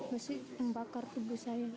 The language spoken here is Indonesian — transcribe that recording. masih membakar tubuh saya